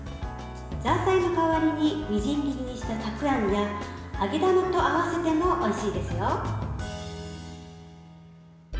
ザーサイの代わりにみじん切りした、たくあんや揚げ玉と合わせてもおいしいですよ。